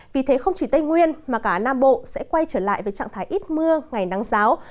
vì thế không chỉ tây nguyên mà cả nam bộ sẽ quay trở lại với trạng thái ít mưa ngày nắng giáo